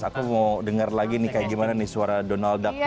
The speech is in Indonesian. aku mau dengar lagi nih kayak gimana nih suara donald duck